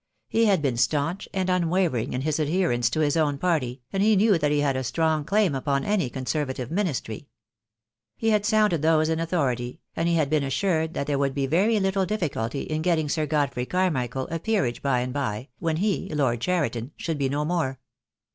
He had been staunch and unwavering in his adherence to his own party, and he knew that he had a strong claim upon any Conservative Ministry. He had sounded those in authority, and he had been assured that there would be very little difficulty in getting Sir Godfrey Carmichael a peerage by and by, when he, Lord Cheriton, should be no more.